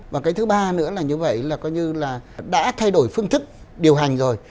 và cái thứ ba nữa là như vậy là coi như là đã thay đổi phương thức điều hành rồi